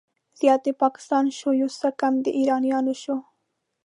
زيات د پاکستان شو، يو څه کم د ايرانيانو شو